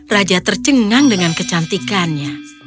raja tercengang dengan kecantikannya